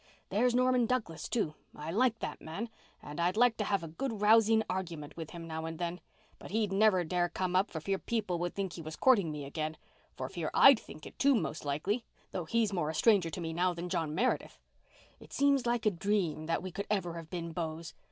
There's Norman Douglas, too—I like that man, and I'd like to have a good rousing argument with him now and then. But he'd never dare come up for fear people would think he was courting me again—for fear I'd think it, too, most likely—though he's more a stranger to me now than John Meredith. It seems like a dream that we could ever have been beaus.